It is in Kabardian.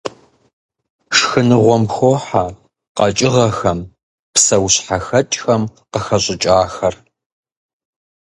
Шхыныгъуэм хохьэ къэкӀыгъэхэм, псэущхьэхэкӀхэм къыхэщӀыкӀахэр.